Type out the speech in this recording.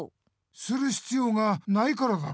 するひつようがないからだろ。